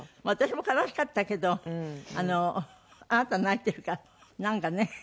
私も悲しかったけどあなた泣いてるからなんかね。